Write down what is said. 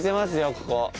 ここ。